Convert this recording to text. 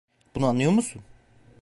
Bunu anlıyor musun?